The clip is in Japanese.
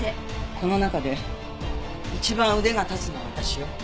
この中で一番腕が立つのは私よ。